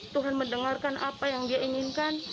tuhan mendengarkan apa yang dia inginkan